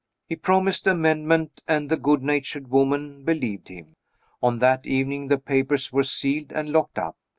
He promised amendment, and the good natured woman believed him. On that evening the papers were sealed, and locked up.